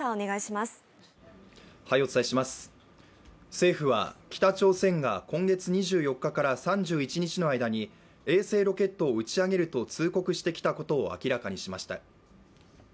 政府は北朝鮮が今月２４日から３１日の間に衛星ロケットを打ち上げると通告してきたことを明らかにしました。